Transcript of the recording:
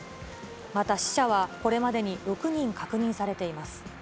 また死者はこれまでに６人確認されています。